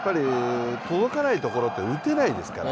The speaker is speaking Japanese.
届かないところって打てないですから。